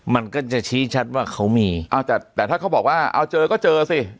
มันก็จะชี้ชัดว่าเขามีเอาแต่แต่ถ้าเขาบอกว่าเอาเจอก็เจอสิ